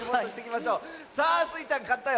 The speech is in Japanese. さあスイちゃんかったよ。